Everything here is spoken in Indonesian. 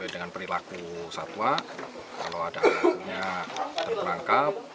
dengan perilaku satwa kalau ada anaknya terperangkap